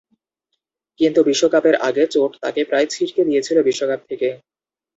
কিন্তু বিশ্বকাপের আগে চোট তাঁকে প্রায় ছিটকে দিয়েছিল বিশ্বকাপ থেকে।